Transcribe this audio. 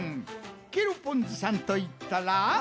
ケロポンズさんといったら？